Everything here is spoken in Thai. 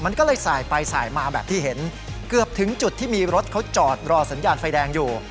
มันก็เลยสายไปสายมาแบบที่เห็นเกือบถึงจุดที่มีรถเขาจอดรอสัญญาณไฟแดงอยู่